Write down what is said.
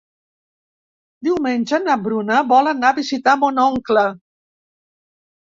Diumenge na Bruna vol anar a visitar mon oncle.